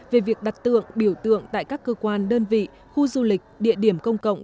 về việc đặt tượng biểu tượng tại các cơ quan đơn vị khu du lịch địa điểm công cộng